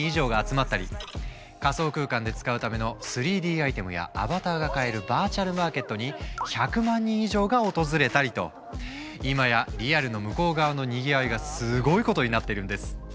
仮想空間で使うための３Ｄアイテムやアバターが買えるバーチャルマーケットにいまやリアルの向こう側のにぎわいがすごいことになっているんです。